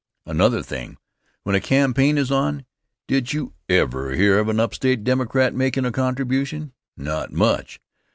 Another thing. When a campaign is on, did you ever hear of an upstate Democrat makin' a contribution? Not much.